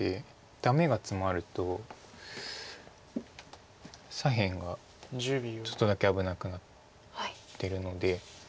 ダメがツマると左辺がちょっとだけ危なくなってるので。